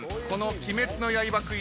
この『鬼滅の刃』